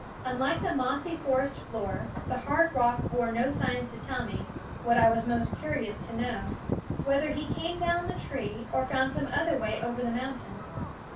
Unlike the mossy forest floor, the hard rock bore no signs to tell me what I was most curious to know whether he came down the tree or found some other way over the mountain.